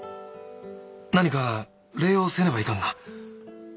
何か礼をせねばいかんな。